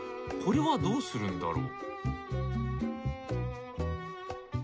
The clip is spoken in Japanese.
これはどうするんだろう？